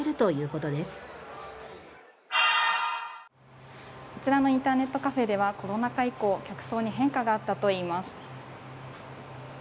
こちらのインターネットカフェではコロナ禍以降客層に変化があったといいます。